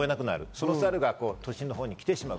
そのサルが都心のほうに来てしまう。